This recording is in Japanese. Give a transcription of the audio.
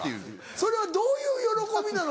それはどういう喜びなの？